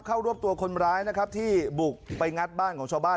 เข้ารวบตัวคนร้ายที่บุกไปงัดบ้านของชาวบ้าน